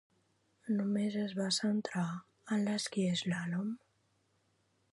Només es va centrar en l'esquí eslàlom?